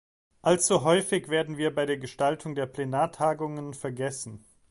Allzu häufig werden wir bei der Gestaltung der Plenartagungen vergessen.